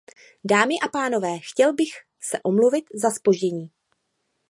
Dámy a pánové, chtěl bych se omluvit za zpoždění.